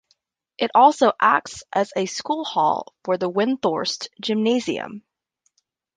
It also acts as a school hall for the Windthorst Gymnasium.